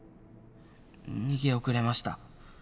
逃げ遅れました。